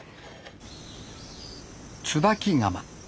「椿窯」。